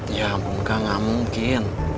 ya ampun kak gak mungkin